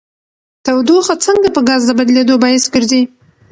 تودوخه څنګه په ګاز د بدلیدو باعث ګرځي؟